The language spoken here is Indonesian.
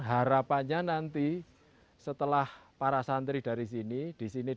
harapannya nanti setelah para santri dari sini disini kita bisa memiliki kekuasaan sendiri